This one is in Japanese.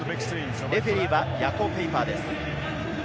レフェリーはヤコ・ペイパーです。